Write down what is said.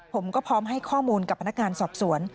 ผมก็พร้อมให้ข้อมูลกับพนักงานสอบสวน